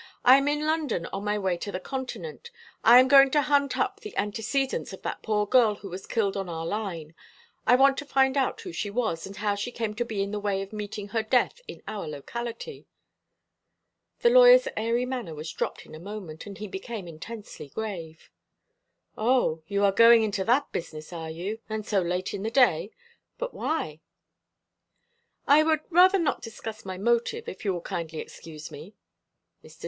"I am in London on my way to the Continent. I am going to hunt up the antecedents of that poor girl who was killed on our line; I want to find out who she was and how she came to be in the way of meeting her death in our locality." The lawyer's airy manner was dropped in a moment, and he became intensely grave. "O, you are going into that business, are you, and so late in the day? But why?" "I would rather not discuss my motive, if you will kindly excuse me." Mr.